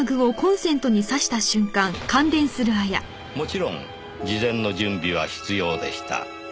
「もちろん事前の準備は必要でした」